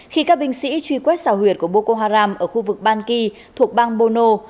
khi các binh sĩ truy quét xào huyệt của boko haram ở khu vực ban ki thuộc bang bono